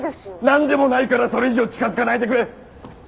何でもないからそれ以上近づかないでくれッ！